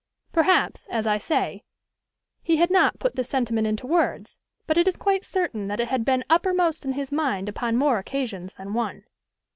Perhaps, as I say, he had not put this sentiment into words; but it is quite certain that it had been uppermost in his mind upon more occasions than one.